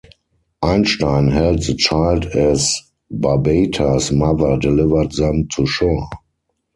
Einstein held the child as Barbata's mother delivered them to shore.